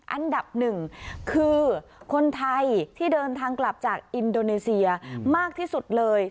อันดับหนึ่งคือคนไทยที่เดินทางกลับจากอินโดนีเซียมากที่สุดเลย